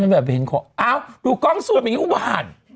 ใช้แอปเดียวกับพี่เอกหรือเปล่า